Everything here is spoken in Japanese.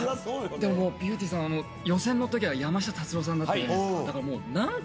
でもビューティーさん予選のときは山下達郎さんだったじゃないですか。